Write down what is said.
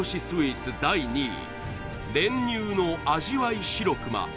スイーツ第２位練乳の味わい白くま